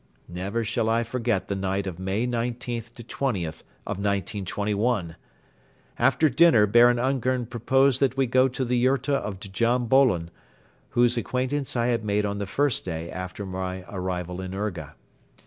Never shall I forget the night of May 19th to 20th of 1921! After dinner Baron Ungern proposed that we go to the yurta of Djam Bolon, whose acquaintance I had made on the first day after my arrival in Urga.